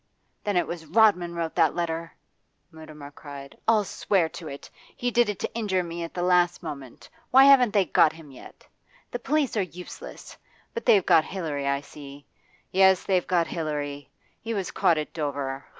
'Then it was Rodman wrote that letter!' Mutimer cried. 'I'll swear to it. He did it to injure me at the last moment. Why haven't they got him yet? The police are useless. But they've got Hilary, I see yes, they've got Hilary. He was caught at Dover.